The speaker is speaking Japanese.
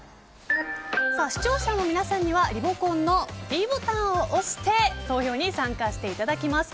視聴者の皆さんにはリモコンのｄボタンを押して投票に参加していただきます。